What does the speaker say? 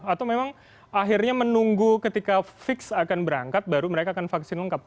atau memang akhirnya menunggu ketika fix akan berangkat baru mereka akan vaksin lengkap